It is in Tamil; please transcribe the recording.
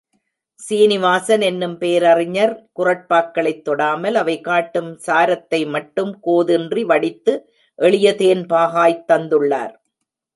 சீநிவாசன் எனும் பேரறிஞர் குறட்பாக்களைத் தொடாமல், அவை காட்டும் சாரத்தைமட்டும் கோதின்றி வடித்து, எளிய தேன்பாகாய்த் தந்துள்ளார்.